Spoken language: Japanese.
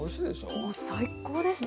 もう最高ですね。